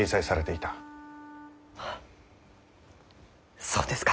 あそうですか。